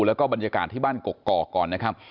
แล้วก็บรรยากาศที่บ้านกกอกก่อนนะครับ